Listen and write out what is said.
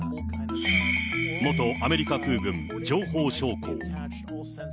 元アメリカ空軍情報将校。